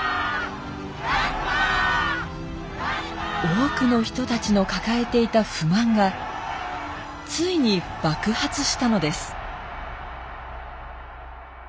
多くの人たちの抱えていた不満がついに爆発したのです。